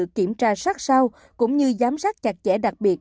và có sự kiểm tra sát sao cũng như giám sát chặt chẽ đặc biệt